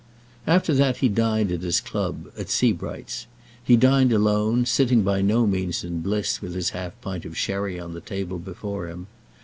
After that he dined at his club, at Sebright's. He dined alone, sitting by no means in bliss with his half pint of sherry on the table before him.